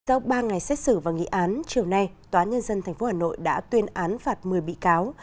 sau ba ngày xét xử và nghị án chiều nay tòa nhân dân tp hà nội đã tuyên án phạt một mươi bị cáo